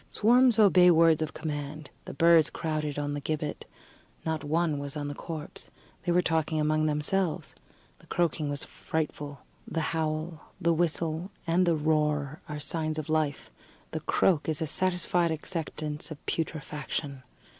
Swarms obey words of command: the birds crowded on the gibbet; not one was on the corpse. They were talking among themselves. The croaking was frightful. The howl, the whistle and the roar, are signs of life; the croak is a satisfied acceptance of putrefaction.